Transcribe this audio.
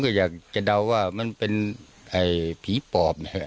ผมก็อยากจะเดาว่ามันเป็นพิพล